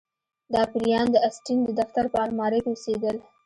دا پیریان د اسټین د دفتر په المارۍ کې اوسیدل